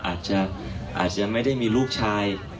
อาจจะไม่ได้มีลูกชาย